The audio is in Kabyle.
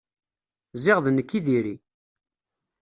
Ziɣ d nekk i diri.